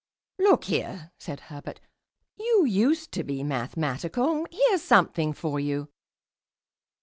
"Look here," said Herbert, "you used to be mathematical; here's something for you."